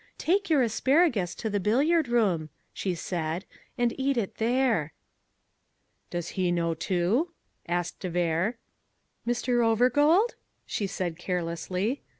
"Take your asparagus to the billiard room," she said, "and eat it there." "Does he know, too?" asked de Vere. "Mr. Overgold?" she said carelessly.